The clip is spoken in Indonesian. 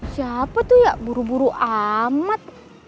siapa tuh ya buru buru amat